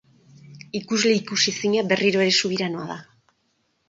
Ikusle ikusezina, berriro ere, subiranoa da.